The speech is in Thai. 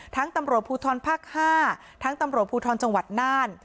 ตำรวจภูทรภาค๕ทั้งตำรวจภูทรจังหวัดน่าน